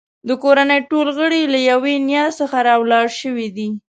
د کورنۍ ټول غړي له یوې نیا څخه راولاړ شوي دي.